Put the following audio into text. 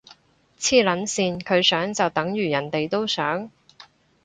黐撚線，佢想就等如人哋都想？